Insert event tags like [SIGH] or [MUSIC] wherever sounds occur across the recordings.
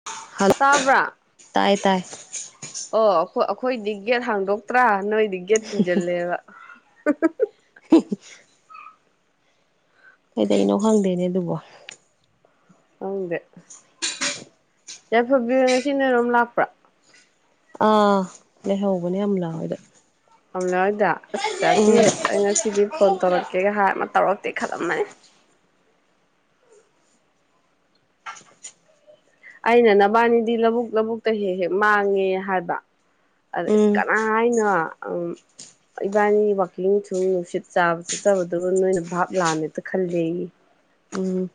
[UNINTELLIGIBLE] ꯇꯥꯕ꯭ꯔꯥ ꯇꯥꯏ ꯇꯥꯏ ꯑꯣ ꯑꯈꯣ ꯑꯩꯈꯣꯏꯗꯤ ꯒꯦꯠ ꯍꯥꯡꯗꯣꯛꯇ꯭ꯔꯥ ꯅꯣꯏꯗꯤ ꯒꯦꯠ ꯊꯤꯡꯖꯤꯜꯂꯦꯕ [UNINTELLIGIBLE] [UNINTELLIGIBLE] ꯀꯩꯗꯩꯅꯣ ꯈꯪꯗꯦꯅꯦ ꯑꯗꯨꯕꯣ [UNINTELLIGIBLE] ꯌꯥꯏꯐꯕꯤꯔꯣ ꯉꯁꯤ ꯅꯣꯏꯔꯣꯝ ꯂꯥꯛꯄ꯭ꯔꯥ ꯑꯥ ꯂꯩꯍꯧꯕꯅꯦ ꯑꯝ ꯂꯥꯑꯣꯗ [UNINTELLIGIBLE] ꯑꯁ ꯆꯥꯗꯤ ꯑꯩ ꯉꯁꯤꯗꯤ ꯐꯣꯟ ꯇꯧꯔꯛꯀꯦꯒ ꯍꯥꯏꯔ ꯑꯃ ꯇꯧꯔꯛꯇꯦ ꯈꯜꯂꯝꯃꯅꯤ [UNINTELLIGIBLE] ꯑꯩꯅ ꯅꯕꯥꯅꯤꯗꯤ ꯂꯧꯕꯨꯛ ꯂꯧꯕꯨꯛꯇ ꯍꯦꯛ ꯍꯦꯛ ꯃꯥꯡꯉꯦ ꯍꯥꯏꯕ ꯑꯗ ꯑꯁ ꯎꯝ ꯀꯅꯥ ꯍꯥꯏꯅꯦ ꯏꯕꯥꯅꯤ ꯋꯥꯛꯀꯤꯡ ꯊꯨꯝ ꯅꯨꯡꯁꯤꯠ ꯆꯥꯕ ꯆꯠꯆꯕꯗꯨꯒ ꯅꯣꯏꯅ ꯚꯥꯞ ꯂꯥꯝꯃꯦꯇ ꯈꯜꯂꯦ ꯑꯩ ꯎꯝ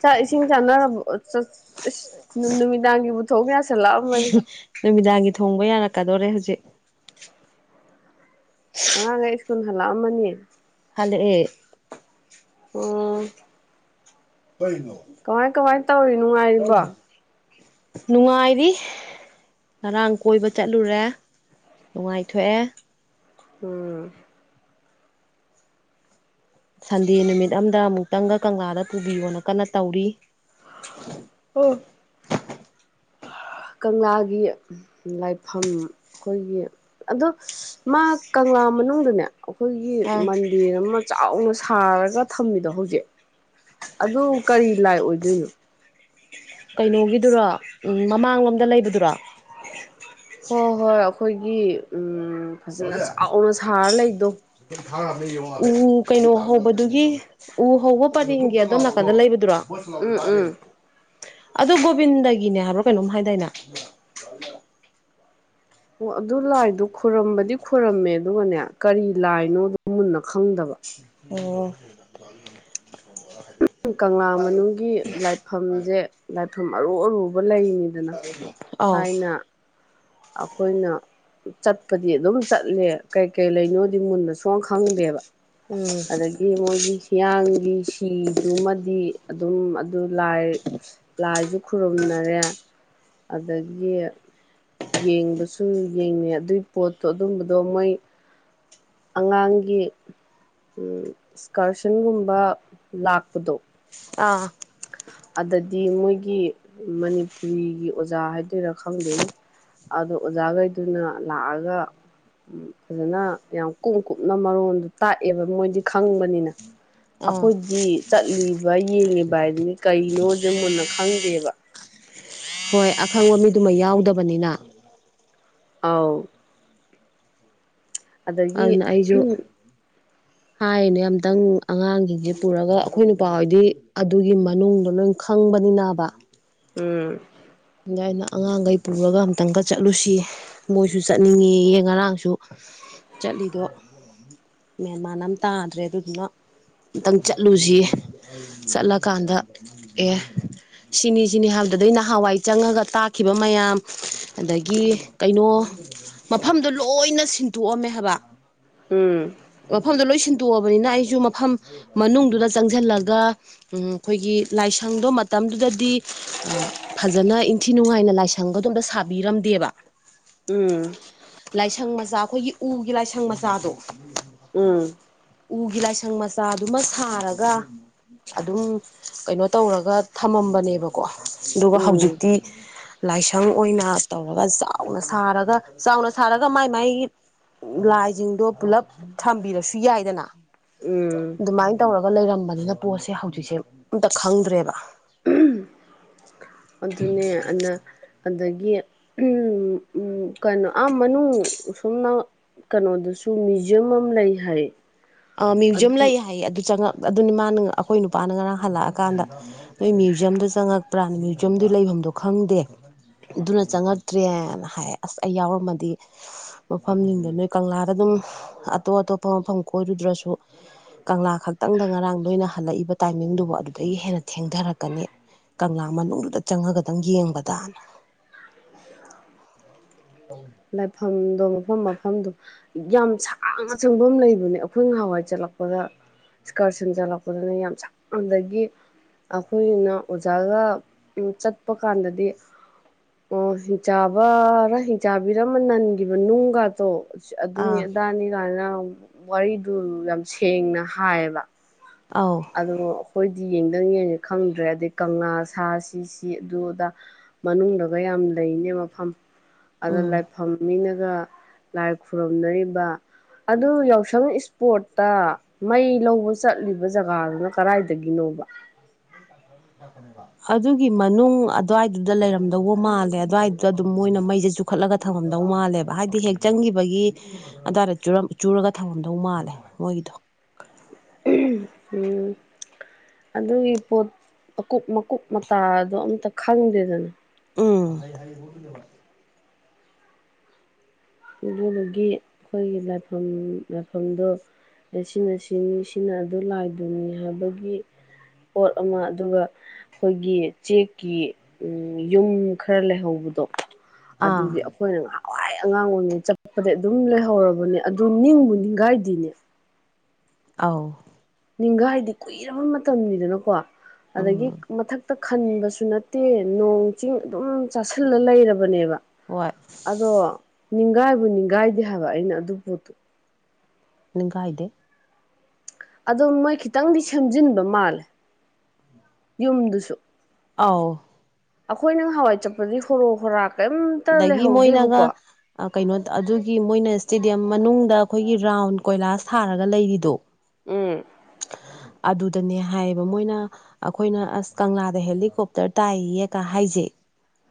ꯆꯥꯛ ꯏꯁꯤꯡ ꯆꯥꯅ [UNINTELLIGIBLE] ꯅꯨꯃꯤꯗꯥꯡꯒꯤ [UNINTELLIGIBLE] ꯅꯨꯃꯤꯗꯥꯡꯒꯤ ꯊꯣꯡꯕ ꯌꯥꯔꯛꯀꯗꯣꯔꯦ ꯍꯧꯖꯤꯛ ꯑꯉꯥꯡꯒꯩ ꯁ꯭ꯀꯨꯜ ꯍꯜꯂꯛꯑꯃꯅꯤ ꯍꯂꯛꯑ [UNINTELLIGIBLE] [UNINTELLIGIBLE] ꯀꯃꯥꯏ ꯀꯃꯥꯏ ꯇꯧꯔꯤꯅꯣꯉꯥꯏꯔꯤꯕꯣ ꯅꯨꯡꯉꯥꯏꯔꯤ ꯉꯔꯥꯡ ꯀꯣꯏꯕ ꯆꯠꯂꯨꯔꯦ ꯅꯨꯡꯉꯥꯏꯊꯣꯛꯑꯦ ꯎꯝ ꯁꯟꯗꯦ ꯅꯨꯃꯤꯠ ꯑꯝꯗ ꯑꯃꯨꯛꯇꯪꯒ ꯀꯪꯂꯥꯗ ꯄꯨꯕꯤꯌꯣꯅ ꯀꯟꯅ ꯇꯧꯔꯤ ꯑꯣ ꯀꯪꯂꯥꯒꯤ ꯂꯥꯏꯐꯝ ꯑꯩꯈꯣꯏꯒꯤ ꯑꯗꯣ ꯃꯥ ꯀꯪꯂꯥ ꯃꯅꯨꯡꯗꯨꯅꯦ ꯑꯩꯈꯣꯏꯒꯤ ꯑꯥ ꯃꯟꯗꯤꯔ ꯑꯃ ꯆꯥꯎꯅ ꯁꯥꯔꯒ ꯊꯝꯃꯤꯗꯣ ꯍꯧꯖꯤꯛ ꯑꯗꯨ ꯀꯔꯤ ꯂꯥꯏ ꯑꯣꯏꯗꯣꯏꯅꯣ ꯀꯩꯅꯣꯒꯤꯗꯨꯔꯣ ꯃꯃꯥꯡꯂꯣꯝꯗ ꯂꯩꯕꯗꯨꯔꯣ ꯍꯣꯏ ꯍꯣꯏ ꯑꯩꯈꯣꯏꯒꯤ ꯎꯝ ꯐꯖꯅ ꯆꯥꯎꯅ ꯁꯥꯔ ꯂꯩꯗꯣ ꯎ ꯀꯩꯅꯣ ꯍꯧꯕꯗꯨꯒꯤ ꯎ ꯍꯧꯕ ꯄꯔꯦꯡꯒꯤ ꯑꯗꯣꯝ ꯅꯥꯀꯟꯗ ꯂꯩꯕꯗꯨꯔꯣ ꯎꯝ ꯎꯝ [UNINTELLIGIBLE] ꯒꯣꯕꯤꯟꯗꯒꯤꯅꯦ ꯍꯥꯏꯕ꯭ꯔꯣ ꯀꯩꯅꯣꯝ ꯍꯥꯏꯗꯥꯏꯅ ꯑꯣ ꯑꯗꯨ ꯂꯥꯏꯗꯨꯣ ꯈꯣꯏꯔꯝꯕꯗꯤ ꯈꯔꯝꯃꯦ ꯑꯗꯨꯒꯅꯦ ꯀꯔꯤ ꯂꯥꯏꯅꯣ ꯃꯨꯟꯅ ꯈꯪꯗꯕ ꯑꯣ [UNINTELLIGIBLE] ꯑꯣ ꯀꯪꯂꯥ ꯃꯅꯨꯡꯒꯤ ꯂꯥꯏꯐꯝꯁꯦ ꯂꯥꯏꯐꯝ ꯑꯔꯨ ꯑꯔꯨꯕ ꯂꯩꯅꯤꯗꯅ ꯑꯥꯎ ꯊꯥꯏꯅ ꯑꯩꯈꯣꯏꯅ ꯆꯠꯄꯗꯤ ꯑꯗꯨꯝ ꯆꯠꯂꯦ ꯀꯩ ꯀꯩ ꯂꯩꯅꯣꯗꯤ ꯃꯨꯟꯅ ꯁꯨꯡ ꯈꯪꯗꯦꯕ ꯎꯝ ꯑꯗꯒꯤ ꯃꯣꯏꯒꯤ ꯍꯤꯌꯥꯡꯒꯤ ꯁꯤꯗꯨꯃꯗꯤ ꯑꯗꯨꯝ ꯑꯗꯨ ꯂꯥꯏ ꯂꯥꯏꯁꯨ ꯈꯨꯔꯨꯝꯅꯔꯦ ꯑꯗꯒꯤ ꯌꯦꯡꯕꯁꯨ ꯌꯦꯡꯉꯦ ꯑꯗꯨꯏ ꯄꯣꯠꯇꯣ ꯑꯗꯨꯝꯕꯗꯣ ꯃꯣꯏ ꯑꯉꯥꯡꯒꯤ ꯏꯁꯀꯔꯁꯟꯒꯨꯝꯕ ꯂꯥꯛꯄꯗꯣ ꯑꯥ ꯑꯗꯨꯗꯗꯤ ꯃꯣꯏꯒꯤ ꯃꯅꯤꯄꯨꯔꯤꯒꯤ ꯑꯣꯖꯥ ꯍꯥꯏꯗꯣꯏꯔꯥ ꯈꯪꯗꯦꯅꯦ ꯑꯗꯣ ꯑꯣꯖꯥꯈꯩꯗꯨꯅ ꯂꯥꯛꯑꯒ ꯐꯖꯅ ꯌꯥꯝ ꯀꯨꯞ ꯀꯨꯞꯅ ꯃꯔꯣꯟꯗꯨ ꯇꯥꯛꯑꯦꯕ ꯃꯣꯏꯗꯤ ꯈꯪꯕꯅꯤꯅ ꯑꯥ ꯑꯩꯈꯣꯏꯗꯤ ꯆꯠꯂꯤꯕ ꯌꯦꯡꯉꯤꯕ ꯚꯥꯏꯗꯨꯅꯦ ꯀꯩꯅꯣꯁꯦ ꯃꯨꯟꯅ ꯈꯪꯗꯦꯕ ꯍꯣꯏ ꯑꯈꯪꯕ ꯃꯤꯗꯨꯃ ꯌꯥꯎꯗꯕꯅꯤꯅ ꯑꯥꯎ ꯑꯗꯒꯤ ꯑꯗꯨꯅ ꯑꯩꯖꯨ ꯍꯥꯏꯔꯤꯅꯦ ꯑꯝꯇꯪ ꯑꯉꯥꯡꯁꯤꯡꯁꯦ ꯄꯨꯔꯒ ꯑꯩꯈꯣꯏ ꯅꯨꯄꯥ ꯍꯣꯏꯗꯤ ꯑꯗꯨꯒꯤ ꯃꯅꯨꯡꯗ ꯈꯪꯕꯅꯤꯅꯕ ꯎꯝ ꯑꯗꯨ ꯑꯩꯅ ꯑꯉꯥꯡꯈꯩ ꯄꯨꯔꯒ ꯑꯃꯝꯇꯪꯒ ꯆꯠꯂꯨꯁꯤ ꯃꯣꯏꯁꯨ ꯆꯠꯅꯤꯡꯉꯦꯌꯦ ꯉꯔꯥꯡꯁꯨ ꯆꯠꯂꯤꯗꯣ ꯃꯦꯟꯃꯥꯟ ꯑꯃ ꯇꯥꯗ꯭ꯔꯦ ꯑꯗꯨꯗꯨꯅ ꯑꯝꯇꯪ ꯆꯠꯂꯨꯁꯤ ꯆꯠꯂꯀꯥꯟꯗ ꯑꯦ ꯁꯤꯅꯤ ꯁꯤꯅꯤ ꯍꯥꯏꯕꯗꯗꯩ ꯅꯍꯥꯟꯋꯥꯏ ꯆꯪꯉꯒ ꯇꯥꯛꯈꯤꯕ ꯃꯌꯥꯝ ꯑꯗꯒꯤ ꯀꯩꯅꯣ ꯃꯐꯝꯗꯨꯣ ꯂꯣꯏꯅ ꯁꯤꯟꯇꯣꯛꯑꯝꯃꯦ ꯍꯥꯏꯕ ꯎꯝ ꯃꯐꯝꯗ ꯂꯣꯏ ꯁꯤꯟꯇꯣꯛꯑꯕꯅꯤꯅ ꯑꯩꯁꯨ ꯃꯐꯝ ꯃꯅꯨꯡꯗꯨꯗ ꯆꯪꯁꯤꯜꯂꯒ ꯑꯩꯈꯣꯏꯒꯤ ꯂꯥꯏꯁꯪꯗꯣ ꯃꯇꯝꯗꯨꯗꯗꯤ ꯐꯖꯅ ꯏꯟꯊꯤ ꯅꯨꯡꯉꯥꯏꯅ ꯂꯥꯏꯁꯪꯒꯗꯣ ꯁꯥꯕꯤꯔꯝꯗꯦꯕ ꯎꯝ ꯂꯥꯏꯁꯪ ꯃꯆꯥ ꯑꯩꯈꯣꯏꯒꯤ ꯎꯒꯤ ꯂꯥꯏꯁꯪ ꯃꯆꯥꯗꯣ ꯎꯝ ꯎꯒꯤ ꯂꯥꯏꯁꯪ ꯃꯆꯥꯗꯨꯃ ꯁꯥꯔꯒ ꯑꯗꯨꯝ ꯀꯩꯅꯣ ꯇꯧꯔꯒ ꯊꯝꯃꯝꯕꯅꯦꯕꯀꯣ ꯑꯗꯨꯒ ꯎꯝ ꯍꯧꯖꯤꯛꯇꯤ ꯂꯥꯏꯁꯪ ꯑꯣꯏꯅ ꯇꯧꯔꯒ ꯆꯥꯎꯅ ꯁꯥꯔꯒ ꯆꯥꯎꯅ ꯁꯥꯔꯒ ꯃꯥꯏ ꯃꯥꯏ ꯂꯥꯏꯁꯤꯡꯗꯣ ꯄꯨꯜꯂꯞ ꯊꯝꯕꯤꯔꯁꯨ ꯌꯥꯏꯗꯅ ꯎꯝ ꯑꯗꯨꯃꯥꯏꯅ ꯇꯧꯔꯒ ꯂꯩꯔꯝꯕꯅꯤꯅ ꯄꯣꯠꯁꯦ ꯍꯧꯖꯤꯛꯁꯦ ꯑꯝꯇ ꯈꯪꯗ꯭ꯔꯦꯕ ꯑꯗꯨꯅꯦ ꯑꯗꯨꯅ ꯑꯗꯒꯤ ꯀꯩꯅꯣ ꯑꯥ ꯃꯅꯨꯡ ꯁꯨꯝꯅ ꯀꯩꯅꯣꯗꯁꯨ ꯃ꯭ꯌꯨꯖꯌꯝ ꯑꯃ ꯂꯩ ꯍꯥꯏ ꯑ ꯃ꯭ꯌꯨꯖꯌꯝ ꯑꯗꯨ ꯂꯩ ꯍꯥꯏꯌꯦ ꯑꯗꯨ ꯆꯉꯛ ꯑꯗꯨꯅꯤ ꯃꯥꯅ ꯑꯩꯈꯣꯏ ꯅꯨꯄꯥꯅ ꯉꯔꯥꯡ ꯍꯜꯂꯛꯑꯀꯥꯟꯗ ꯅꯣꯏ ꯃ꯭ꯌꯨꯖꯌꯝꯗ ꯆꯪꯉꯛꯄ꯭ꯔꯥꯅ ꯃ꯭ꯌꯨꯖꯌꯝꯗꯨ ꯂꯩꯐꯝꯗꯣ ꯈꯪꯗꯦ ꯑꯗꯨꯅ ꯆꯪꯉꯛꯇ꯭ꯔꯦꯅ ꯍꯥꯏ ꯑꯁ ꯑꯩ ꯌꯥꯎꯔꯝꯃꯗꯤ ꯃꯐꯝꯁꯤꯡꯗ ꯅꯣꯏ ꯀꯪꯂꯥꯗ ꯑꯗꯨꯝ ꯑꯇꯣꯞ ꯑꯇꯣꯞꯄ ꯃꯐꯝ ꯀꯣꯏꯔꯨꯗ꯭ꯔꯁꯨ ꯀꯪꯂꯥ ꯈꯛꯇꯪꯗ ꯉꯔꯥꯡ ꯅꯣꯏꯅ ꯍꯜꯂꯛꯏꯕ ꯇꯥꯏꯃꯤꯡꯗꯨꯕꯨ ꯑꯗꯨꯗꯒꯤ ꯍꯦꯟꯅ ꯊꯦꯡꯊꯔꯛꯀꯅꯤ ꯀꯪꯂꯥ ꯃꯅꯨꯡꯗꯨꯗ ꯆꯪꯉꯒꯗꯪ ꯌꯦꯡꯕꯗꯅ ꯂꯥꯏꯐꯝꯗꯣ ꯃꯐꯝ ꯃꯐꯝꯗꯣ ꯌꯥꯝ ꯁꯥꯡꯅ ꯆꯪꯐꯝ ꯑꯃ ꯂꯩꯕꯅꯦ ꯑꯩꯈꯣꯏꯅꯍꯥꯟꯋꯥꯏ ꯆꯠꯂꯛꯄꯗ ꯏꯁꯀꯥꯔ ꯁꯦꯝꯖꯜꯂꯛꯄꯗꯨꯅ ꯌꯥꯝ ꯁꯛꯅꯗꯒꯤ ꯑꯩꯈꯣꯏꯅ ꯑꯣꯖꯥꯒ ꯆꯠꯄ ꯀꯥꯟꯗꯗꯤ ꯑꯣ ꯍ ꯆꯕꯔ ꯍ ꯆꯥꯕꯤꯔꯃ ꯅꯟꯈꯤꯕ ꯅꯨꯡꯒꯗꯣ ꯑꯗꯨꯅꯤ ꯑꯥ ꯑꯗꯥꯅꯤ ꯀꯥꯏꯅ ꯋꯥꯔꯤꯗꯨ ꯌꯥꯝ ꯁꯦꯡꯅ ꯍꯥꯏꯌꯦꯕ ꯑꯥꯎ ꯑꯗꯣ ꯑꯩꯈꯣꯏꯗꯤ ꯌꯦꯡꯗꯪ ꯌꯦꯡꯉꯦ ꯈꯪꯗ꯭ꯔꯦ ꯑꯗꯩ ꯀꯪꯂꯥ ꯁꯥ ꯁꯤꯁꯤ ꯑꯗꯨꯗ ꯃꯅꯨꯡꯗꯒ ꯌꯥꯝ ꯂꯩꯅꯦ ꯃꯐꯝ ꯑꯗꯨꯗ ꯎꯝ ꯂꯥꯏꯐꯝꯅꯤꯅꯒ ꯂꯥꯏ ꯈꯨꯔꯨꯝꯅꯔꯤꯕ ꯑꯗꯨ ꯌꯥꯎꯁꯪ ꯏꯁꯄꯣꯔꯠꯇ ꯃꯩ ꯂꯧꯕ ꯆꯠꯂꯤꯕ ꯖꯒꯥꯗꯨꯅ ꯀꯗꯥꯏꯗꯒꯤꯅꯣꯕ [UNINTELLIGIBLE] ꯑꯗꯨꯒꯤ ꯃꯅꯨꯡ ꯑꯗꯨꯋꯥꯏꯗꯨꯗ ꯂꯩꯔꯝꯗꯧꯕ ꯃꯥꯜꯂꯦ ꯑꯗꯨꯋꯥꯏꯗꯨꯗ ꯑꯗꯨꯝ ꯃꯣꯏꯅ ꯃꯩꯁꯦ ꯈꯠꯂꯒ ꯊꯝꯃꯝꯗꯧ ꯃꯥꯜꯂꯦꯕ ꯍꯥꯏꯗꯤ ꯍꯦꯛ ꯆꯪꯈꯤꯕꯒꯤ ꯑꯗꯨꯋꯥꯏꯗ ꯆꯨꯔꯒ ꯊꯝꯃꯝꯗꯧ ꯃꯥꯜꯂꯦ ꯃꯣꯏꯒꯤꯗꯣ ꯎꯝ ꯑꯗꯨꯒꯤ ꯄꯣꯠ ꯑꯀꯨꯞ ꯃꯀꯨꯞ ꯃꯇꯥꯗꯣ ꯑꯝꯇ ꯈꯪꯗꯦꯗꯅ ꯎꯝ ꯑꯗꯨꯒꯤ ꯑꯩꯈꯣꯏꯒꯤ ꯂꯥꯏꯐꯝ ꯂꯥꯏꯐꯝꯗꯣ ꯁꯤꯅ ꯁꯤꯅꯤ ꯁꯤꯅ ꯑꯗꯨ ꯂꯥꯏꯗꯨꯅꯤ ꯍꯥꯏꯕꯒꯤ ꯄꯣꯠ ꯑꯃ ꯑꯗꯨꯒ ꯑꯩꯈꯣꯏꯒꯤ ꯆꯦꯛꯀꯤ ꯌꯨꯝ ꯈꯔ ꯂꯩꯍꯧꯕꯗꯣ ꯑꯥ ꯑꯗꯨꯗꯤ ꯑꯩꯈꯣꯏꯅ ꯉꯍꯥꯟꯋꯥꯏ ꯑꯉꯥꯡ ꯑꯣꯏꯔꯤꯉꯩ ꯆꯠꯄꯗꯤ ꯑꯗꯨꯝ ꯂꯩꯍꯧꯔꯕꯅꯦ ꯑꯗꯨ ꯅꯤꯡꯕꯨ ꯅꯤꯡꯒꯥꯏꯗꯤꯅꯦ ꯑꯥꯎ ꯅꯤꯡꯒꯥꯏꯗ‌ꯦ ꯀꯨꯏꯔꯕ ꯃꯇꯝꯅꯤꯗꯅꯀꯣ ꯑꯗꯒꯤ ꯎꯝ ꯃꯊꯛ ꯛꯇ ꯈꯟꯕꯁꯨ ꯅꯠꯇꯦ ꯅꯣꯡ ꯆꯤꯡ ꯑꯗꯨꯝ ꯆꯥꯁꯤꯜꯂ ꯂꯩꯔꯕꯅꯦꯕ ꯍꯏ ꯑꯗꯣ ꯅꯤꯡꯒꯥꯏꯕꯨ ꯅꯤꯡꯒꯥꯏꯗꯦ ꯍꯥꯏꯕ ꯑꯩꯅ ꯑꯗꯨ ꯄꯣꯠꯇꯨ ꯅꯤꯡ ꯀꯥꯏꯗꯦ ꯑꯣ ꯃꯣꯏ ꯈꯤꯇꯪꯗꯤ ꯁꯦꯝꯖꯤꯟꯕ ꯃꯥꯜꯂꯦ ꯌꯨꯝꯗꯨꯁꯨ ꯑꯥꯎ ꯑꯩꯈꯣꯏ ꯅꯪ ꯍꯋꯥꯏ ꯆꯠꯄꯗꯤ ꯍꯣꯔꯣꯛ ꯍꯣꯔꯥ ꯀꯩꯝꯇ ꯑꯗꯒꯤ ꯃꯣꯏꯅꯒ ꯂꯩꯍꯧꯗꯦꯕꯀꯣ ꯀꯩꯅꯣ ꯑꯗꯨꯒꯤ ꯃꯣꯏꯅ ꯏꯁꯇꯦꯗꯤꯌꯝ ꯃꯅꯨꯡꯗ ꯑꯩꯈꯣꯏꯒꯤ ꯔꯥꯎꯟ ꯀꯣꯏꯂꯥꯁ ꯊꯥꯔꯒ ꯂꯩꯔꯤꯗꯣ ꯎꯝ ꯑꯗꯨꯗꯅꯦ ꯍꯥꯏꯌꯦꯕ ꯃꯣꯏꯅ ꯑꯩꯈꯣꯏꯅ ꯑꯁ ꯀꯪꯂꯥꯗ ꯍꯦꯂꯤꯀꯣꯞꯇꯔ ꯇꯥꯏꯌꯦꯒ ꯍꯥꯏꯖꯩ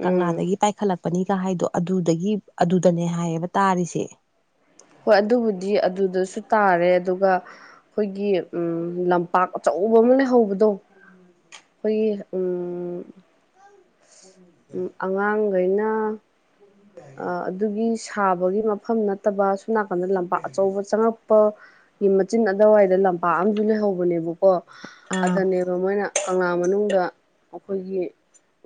ꯎꯝ ꯀꯪꯂꯥꯗꯒꯤ ꯄꯥꯏꯈꯠꯂꯛꯄꯅꯤꯒ ꯍꯥꯏꯗꯣ ꯑꯗꯨꯗꯒꯤ ꯑꯗꯨꯗꯅꯦ ꯍꯥꯏꯌꯦꯕ ꯇꯥꯔꯤꯁꯦ ꯍꯣꯏ ꯑꯗꯨꯕꯨꯗꯤ ꯑꯗꯨꯗꯁꯨ ꯇꯥꯔꯦ ꯑꯗꯨꯒ ꯑꯩꯈꯣꯏꯒꯤ ꯂꯝꯄꯥꯛ ꯑꯆꯧꯕ ꯑꯃ ꯂꯩꯍꯧꯕꯗꯣ ꯎꯝ ꯑꯩꯈꯣꯏꯒꯤ ꯎꯝ ꯀꯁꯦ ꯑꯉꯥꯡꯈꯩꯅ ꯍ ꯑꯗꯨꯒꯤ ꯁꯥꯕꯒꯤ ꯃꯐꯝ ꯅꯠꯇꯕ ꯁꯣꯝ ꯅꯥꯀꯟꯗ ꯂꯝꯄꯥꯛ ꯑꯆꯧꯕ ꯆꯪꯉꯛꯄ ꯒꯤ ꯃꯆꯤꯟ ꯑꯗꯨꯋꯥꯏꯗ ꯂꯝꯄꯥꯛ ꯑꯨ ꯂꯩꯍꯧꯕꯅꯦꯕꯀꯣ ꯑꯥ ꯑꯗꯨꯅꯦ ꯑ ꯃꯣꯏꯅ ꯀꯪꯂꯥ ꯃꯅꯨꯡꯗ ꯑꯩꯈꯣꯏꯒꯤ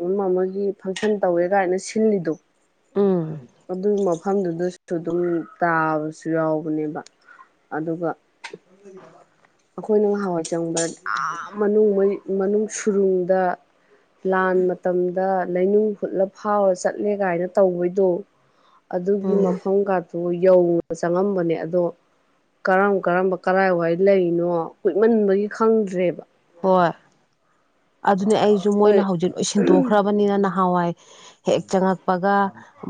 ꯑꯃ ꯑꯃꯒꯤ ꯐꯪꯁꯟ ꯇꯧꯋꯦ ꯀꯥꯏꯅ ꯁꯤꯜꯂꯤꯗꯣ ꯎꯝ ꯑꯗꯨꯒꯤ ꯃꯐꯝꯗꯨꯗꯁꯨ ꯑꯗꯨꯝ ꯇꯥꯕꯁꯨ ꯌꯥꯎꯕꯅꯦꯕ ꯑꯗꯨꯒ ꯅꯗꯔꯤꯗ ꯑꯩꯈꯣꯏꯅ ꯉꯍꯥꯎꯋꯥ ꯆꯪꯕ ꯌꯥꯝ ꯃꯅꯨꯡ ꯁꯨꯔꯨꯡꯗ ꯂꯥꯟ ꯃꯇꯝꯗ ꯂꯩꯅꯨꯡꯨ ꯍꯨꯠꯂ ꯐꯥꯎꯔ ꯆꯠꯂꯦ ꯀꯥꯏꯅ ꯇꯧꯕꯩꯗꯣ ꯑꯗꯨꯒꯤ ꯎꯝ ꯃꯐꯝꯒ ꯑ ꯌꯧ ꯆꯪꯉꯝꯕꯅꯦ ꯑꯗꯣ ꯀꯔꯝ ꯀꯔꯝꯕ ꯀꯔꯥꯏ ꯋꯥꯏ ꯂꯩ ꯀꯩꯅꯣ ꯀꯨꯏꯃꯟꯕꯒꯤ ꯈꯪꯗ꯭ꯔꯦꯕ ꯍꯣꯏ ꯑꯗꯨꯅꯦ ꯑꯩꯁꯨ ꯍꯣꯏ ꯃꯣꯏꯅ ꯍꯧꯖꯤꯛ ꯂꯣꯏ ꯁꯤꯟꯗꯣꯛꯈ꯭ꯔꯕꯅꯤꯅ ꯅꯍꯥꯟꯋꯥꯏ ꯍꯦꯛ ꯆꯪꯉꯛꯄꯒ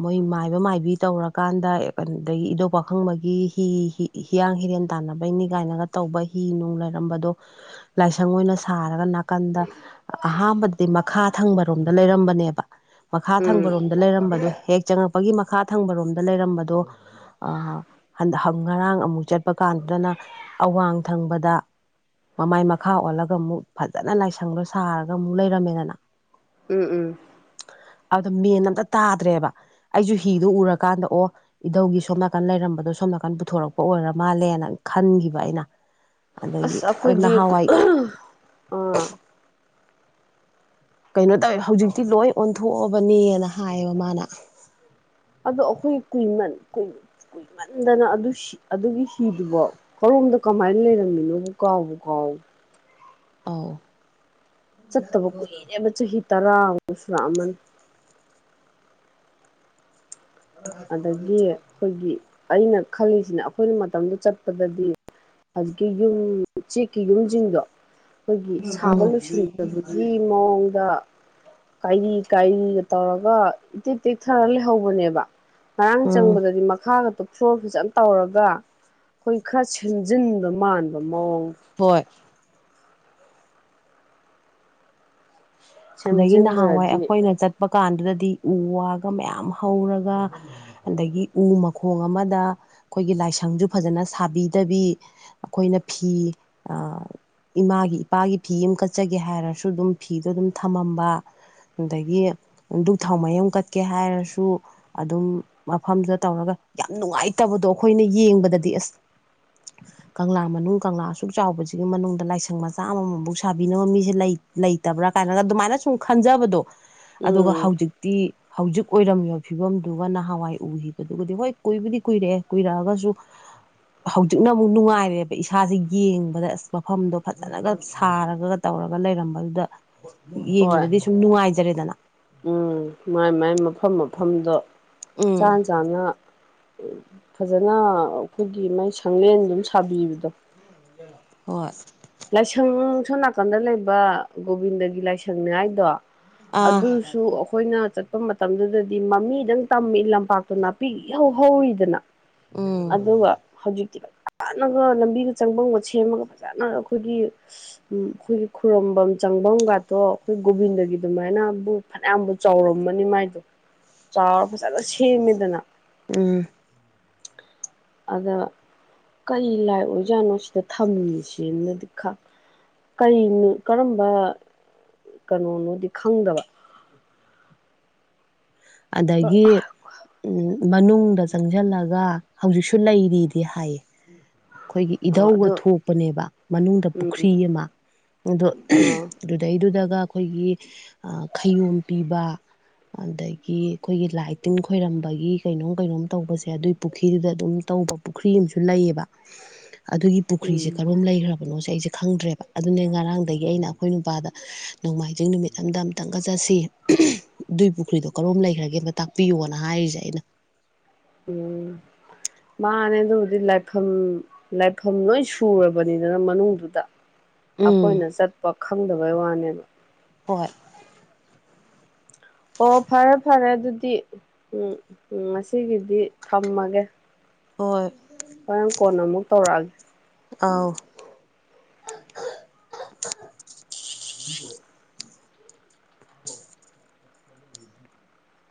ꯃꯣꯏ ꯃꯥꯏꯕ ꯃꯥꯏꯕꯤ ꯇꯧꯔꯀꯥꯟꯗ ꯑꯗꯒꯤ ꯏꯙꯧ ꯄꯥꯈꯪꯕꯒꯤ ꯍꯤ ꯍꯤ ꯍꯤꯌꯥꯡ-ꯍꯤꯔꯦꯟ ꯇꯥꯟꯅꯕꯩꯅꯤ ꯒꯥꯏꯅ ꯇꯧꯕ ꯍꯤ ꯅꯨꯡ ꯂꯩꯔꯝꯕꯗꯣ ꯎꯝ ꯂꯥꯏꯁꯪ ꯑꯣꯏꯅ ꯁꯥꯔꯒ ꯅꯥꯀꯟꯗ ꯑꯍꯥꯟꯕꯗꯤ ꯃꯈꯥ ꯊꯪꯕꯔꯣꯝꯗ ꯂꯩꯔꯝꯕꯅꯦꯕ ꯃꯈꯥ ꯎꯝ ꯊꯪꯕꯔꯣꯝ ꯗ ꯂꯩꯔꯝꯕꯗꯣ ꯍꯦꯛ ꯆꯪꯉꯛꯄꯒꯤ ꯃꯈꯥ ꯊꯪꯕꯔꯣꯝꯗ ꯂꯩꯔꯝꯕꯗꯣ ꯉꯔꯥꯡ ꯑꯃꯨꯛ ꯆꯠꯄ ꯀꯥꯟꯗꯨꯗꯅ ꯑꯋꯥꯡ ꯊꯪꯕꯗ ꯃꯃꯥꯏ ꯃꯈꯥ ꯑꯣꯜꯂꯒ ꯑꯃꯨꯛ ꯐꯖꯅ ꯂꯥꯏꯁꯪꯗꯨꯣ ꯁꯥꯔꯒ ꯑꯃꯨꯛ ꯂꯩꯔꯝꯃꯦꯗꯅ ꯎꯝ ꯎꯝ ꯑꯗꯨꯗ ꯃꯦꯟ ꯑꯝꯇ ꯇꯥꯗ꯭ꯔꯦꯕ ꯑꯩꯁꯨ ꯍꯤꯗꯨ ꯎꯔꯀꯥꯟꯗ ꯑꯣ ꯏꯙꯧꯒꯤ ꯁꯣꯝ ꯅꯥꯀꯟ ꯂꯩꯔꯝꯕꯗꯣ ꯁꯣꯝ ꯅꯥꯀꯟ ꯄꯨꯊꯣꯔꯛꯄ ꯑꯣꯏꯔ ꯃꯥꯜꯂꯦꯅ ꯈꯟꯒꯤꯕ ꯑꯩꯅ ꯑꯗꯒꯤ ꯑꯁ ꯑꯗꯨ ꯑꯩꯈꯣꯏꯗꯤ ꯅꯍꯥꯟꯋꯥꯏ ꯑꯥ ꯀꯩꯅꯣ ꯇꯧꯋꯦ ꯍꯧꯖꯤꯛꯇꯤ ꯂꯣꯏ ꯑꯣꯟꯊꯣꯛꯑꯕꯅꯦꯅ ꯍꯥꯏꯌꯦꯕ ꯃꯥꯅ ꯑꯗꯣ ꯑꯩꯈꯣꯏ ꯀꯨꯏꯃꯟ ꯀꯨꯏꯃꯟꯗꯅ ꯑꯗꯨ ꯑꯗꯨꯒꯤ ꯍꯤꯗꯨꯕꯣ ꯍꯣꯔꯣꯝꯗ ꯀꯃꯥꯏꯅ ꯂꯩꯔꯝꯃꯤꯅꯣꯕꯨ ꯀꯥꯎꯕ ꯀꯥꯎ ꯑꯥꯎ ꯆꯠꯇꯕ ꯀꯨꯏꯔꯦꯕ ꯆꯍꯤ ꯇꯔꯥꯃꯨꯛ ꯁꯨꯔꯛꯑꯃꯅꯤ ꯑꯗꯒꯤ ꯑꯩꯈꯣꯏꯒꯤ ꯑꯩꯅ ꯈꯜꯂꯤꯁꯤꯅ ꯑꯩꯈꯣꯏꯅ ꯃꯇꯝꯗꯨ ꯆꯠꯄꯗꯗꯤ ꯍꯧꯖꯤꯛꯀꯤ ꯌꯨꯝ ꯆꯦꯛꯀꯤ ꯌꯨꯝꯁꯤꯡꯗꯣ ꯑꯩꯈꯣꯏꯒꯤ ꯁꯥꯕ ꯎꯝ ꯂꯣꯏꯁꯤꯟꯖꯕꯒꯤ ꯃꯑꯣꯡꯗ ꯀꯥꯏꯔꯤ-ꯀꯥꯏꯔꯤꯒ ꯇꯧꯔꯒ ꯏꯇꯦꯛ ꯇꯦꯛꯊꯔ ꯂꯩꯍꯧꯕꯅꯦꯕ ꯉꯔꯥꯡ ꯎꯝ ꯆꯪꯕꯗꯗꯤ ꯃꯈꯥ [INAUDIBLE] ꯇꯧꯔꯒ ꯑꯩꯈꯣꯏ ꯈꯔ ꯁꯦꯝꯖꯤꯟꯕ ꯃꯥꯟꯕ ꯃꯑꯣꯡ ꯍꯣꯏ ꯑꯗꯒꯤ ꯅꯍꯥꯟꯋꯥꯏ ꯁꯦꯝꯖꯤꯟꯗ꯭ꯔꯗꯤ ꯑꯩꯈꯣꯏꯅ ꯆꯠꯄ ꯀꯥꯟꯗꯨꯗꯗꯤ ꯎ ꯋꯥꯒ ꯃꯌꯥꯝ ꯍꯧꯔꯒ ꯑꯗꯒꯤ ꯎ ꯃꯈꯣꯡ ꯑꯃꯗ ꯑꯩꯈꯣꯏꯒꯤ ꯂꯥꯏꯁꯪꯁꯨ ꯐꯖꯅ ꯁꯥꯕꯤꯗꯕꯤ ꯑꯩꯈꯣꯏꯅ ꯐꯤ ꯑ ꯏꯃꯥꯒꯤ ꯏꯄꯥꯒꯤ ꯐꯤ ꯑꯃ ꯀꯠꯆꯒꯦ ꯍꯥꯏꯔꯁꯨ ꯑꯗꯨꯝ ꯐꯤꯗꯣ ꯑꯗꯨꯝ ꯊꯝꯃꯝꯕ ꯑꯗꯒꯤ ꯗꯨꯛ ꯊꯥꯎ ꯃꯌꯨꯝ ꯀꯠꯀꯦ ꯍꯥꯏꯔꯁꯨ ꯑꯗꯨꯝ ꯃꯐꯝꯗꯨꯗ ꯇꯧꯔꯒ ꯌꯥꯝ ꯅꯨꯡꯉꯥꯏꯇꯕꯗꯣ ꯑꯩꯈꯣꯏꯅ ꯌꯦꯡꯕꯗꯗꯤ ꯑꯁ [INAUDIBLE] ꯀꯪꯂꯥ ꯃꯅꯨꯡ ꯀꯪꯂꯥ ꯑꯁꯨꯛ ꯆꯥꯎꯕꯁꯤꯒꯤ ꯃꯅꯨꯡꯗ ꯂꯥꯏꯁꯪ ꯃꯆꯥ ꯑꯃꯃꯝꯃꯕꯨꯛ ꯁꯥꯕꯤꯅꯕ ꯃꯤꯁꯦ ꯂꯩꯇꯕ꯭ꯔꯥ ꯀꯥꯏꯅꯒ ꯑꯗꯨꯃꯥꯏꯅ ꯁꯨꯝ ꯈꯟꯖꯕꯗꯣ ꯑꯗꯨꯒ ꯎꯝ ꯍꯧꯖꯤꯛꯇꯤ ꯍꯧꯖꯤꯛ ꯑꯣꯏꯔꯝꯃꯤꯕ ꯐꯤꯕꯝꯗꯨꯒ ꯅꯍꯥꯟꯋꯥꯏ ꯎꯈꯤꯕꯗꯨꯒꯗꯤ ꯍꯣꯏ ꯀꯨꯏꯕꯗꯤ ꯀꯨꯏꯔꯛꯑꯦ ꯀꯨꯏꯔꯛꯑꯒꯁꯨ ꯍꯧꯖꯤꯛꯅ ꯑꯃꯨꯛ ꯅꯨꯡꯉꯥꯏꯔꯦꯕ ꯏꯁꯥꯁꯦ ꯌꯦꯡꯕꯗ ꯑꯁ ꯃꯐꯝꯗꯣ ꯐꯖꯅꯒ ꯁꯥꯔꯒ ꯇꯧꯔꯒ ꯂꯩꯔꯝꯕꯗꯨꯗ ꯍꯣꯏ ꯌꯦꯡꯕꯗꯗꯤ ꯁꯨꯝ ꯅꯨꯡꯉꯥꯏꯖꯔꯦꯗꯅ ꯃꯥꯏ-ꯃꯥꯏ ꯃꯐꯝ-ꯃꯐꯝꯗ ꯎꯝ ꯆꯥꯟ-ꯆꯥꯅ ꯐꯖꯅ ꯑꯩꯈꯣꯏꯒꯤ ꯃꯥꯏ ꯁꯪꯂꯦꯟ ꯑꯗꯨꯝ ꯁꯥꯕꯤꯕꯗꯣ ꯍꯣꯏ ꯂꯥꯏꯁꯪ ꯁꯣꯝ ꯅꯥꯀꯟꯗ ꯂꯩꯕ ꯒꯣꯕꯤꯟꯗꯒꯤ ꯂꯥꯏꯁꯪꯅꯤꯉꯥꯏꯗꯣ ꯑꯥ ꯑꯗꯨꯁꯨ ꯑꯩꯈꯣꯏꯅ ꯆꯠꯄ ꯃꯇꯝꯗꯨꯗꯗꯤ ꯃꯃꯤꯗꯪ ꯇꯝꯃꯤ ꯂꯝꯄꯥꯛꯇꯣ ꯅꯥꯄꯤꯍꯧ ꯍꯧꯔꯤꯗꯅ ꯎꯝ ꯑꯗꯨꯒ ꯍꯧꯖꯤꯛꯇꯤ ꯐꯖꯅꯒ ꯂꯝꯕꯤꯒ ꯆꯪꯕꯝꯒ ꯁꯦꯝꯃꯒ ꯐꯖꯅ ꯑꯩꯈꯣꯏꯒꯤ ꯎ ꯑꯩꯈꯣꯏꯒꯤ ꯈꯨꯔꯐꯝ ꯆꯪꯐꯝꯒꯇꯣ ꯑꯩꯈꯣꯏ ꯒꯣꯕꯤꯟꯗꯒꯤ ꯑꯗꯨꯃꯥꯏꯅꯕꯨ ꯐꯅꯌꯥꯝꯕꯨ ꯆꯥꯎꯔꯝꯕꯅꯤ ꯃꯥꯏꯗꯣ ꯆꯥꯎꯔ ꯐꯖꯅ ꯁꯦꯝꯃꯦꯗꯅ ꯎꯝ ꯑꯗ ꯀꯔꯤ ꯂꯥꯏ ꯑꯣꯏꯖꯥꯠꯅꯣ ꯁꯤꯗ ꯊꯝꯃꯤꯁꯦꯅꯗꯤ ꯈ ꯀꯔꯤꯅꯣ ꯀꯔꯝꯕ ꯀꯩꯅꯣꯅꯣꯗꯤ ꯈꯪꯗꯕ ꯑꯗꯒꯤ ꯃꯅꯨꯡꯗ ꯆꯪꯁꯤꯜꯂꯒ ꯍꯧꯖꯤꯛꯁꯨ ꯂꯩꯔꯤꯗꯤ ꯍꯥꯏꯌꯦ ꯑꯩꯈꯣꯏꯒꯤ ꯑꯣ ꯏꯙꯧꯒ ꯑꯗꯨ ꯊꯣꯛꯄꯅꯦꯕ ꯃꯅꯨꯡꯗ ꯎꯝ ꯄꯨꯈ꯭ꯔꯤ ꯑꯃ ꯑꯗꯣ ꯑꯥ ꯑꯗꯨꯗꯩꯗꯨꯗꯒ ꯑꯩꯈꯣꯏꯒꯤ ꯈꯌꯣꯝ ꯄꯤꯕ ꯑꯗꯒꯤ ꯒꯤ ꯑꯩꯈꯣꯏꯒꯤ ꯂꯥꯏ ꯇꯤꯟ ꯈꯣꯏꯔꯝꯕꯒꯤ ꯀꯩꯅꯣꯝ ꯀꯩꯅꯣꯝ ꯇꯧꯕꯁꯦ ꯑꯗꯨꯏ ꯄꯨꯈ꯭ꯔꯤꯗꯨꯗ ꯑꯗꯨꯝ ꯇꯧꯕ ꯄꯨꯈ꯭ꯔꯤ ꯑꯃꯁꯨ ꯂꯩꯌꯦꯕ ꯑꯗꯨꯒꯤ ꯄꯨꯈ꯭ꯔꯤꯁꯦ ꯎꯝ ꯀꯔꯣꯝ ꯂꯩꯈ꯭ꯔꯕꯅꯣꯁꯦ ꯑꯩꯁꯦ ꯈꯪꯗ꯭ꯔꯦꯕ ꯑꯗꯨꯅꯦ ꯉꯔꯥꯡꯗꯒꯤ ꯑꯩꯅ ꯑꯩꯈꯣꯏ ꯅꯨꯄꯥꯗ ꯅꯣꯡꯃꯥꯏꯖꯤꯡ ꯅꯨꯃꯤꯠ ꯑꯝꯗ ꯑꯝꯇꯪꯒꯠꯆꯠꯁꯤ ꯑꯗꯨꯏ ꯄꯨꯈ꯭ꯔꯤꯗꯣ ꯀꯔꯣꯝ ꯂꯩꯈ꯭ꯔꯒꯦ ꯑꯝꯇ ꯇꯥꯛꯄꯤꯌꯣꯅ ꯍꯥꯏꯔꯤꯁꯦ ꯑꯩꯅ ꯎꯝ ꯃꯥꯅꯦ ꯑꯗꯨꯕꯨꯗꯤ ꯂꯥꯏꯐꯝ ꯂꯥꯏꯐꯝ ꯂꯣꯏ ꯁꯨꯔꯕꯅꯤꯗꯅ ꯃꯅꯨꯡꯗꯨꯗ ꯎꯝ ꯑꯩꯈꯣꯏꯅ ꯆꯠꯄ ꯈꯪꯗꯕꯩ ꯋꯥꯅꯦꯕ ꯍꯣꯏ ꯑꯣ ꯐꯔꯦ ꯐꯔꯦ ꯑꯗꯨꯗꯤ ꯎꯝ ꯎꯝ ꯉꯁꯤꯒꯤꯗꯤ ꯊꯝꯃꯒꯦ ꯍꯣꯏ ꯍꯔꯪ ꯀꯣꯟ ꯑꯃꯨꯛ ꯇꯧꯔꯛꯑꯒꯦ ꯑꯥꯎ ꯎ ꯍꯣ [UNINTELLIGIBLE]